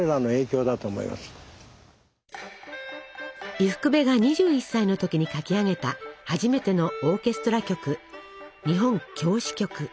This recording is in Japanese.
伊福部が２１歳の時に書き上げた初めてのオーケストラ曲「日本狂詩曲」。